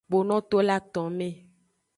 Kpono to le aton me.